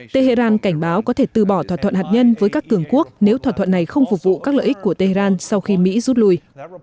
tehran cảnh báo có thể từ bỏ thỏa thuận hạt nhân với các cường quốc nếu thỏa thuận này không phục vụ các lợi ích của tehran sau khi mỹ rút lui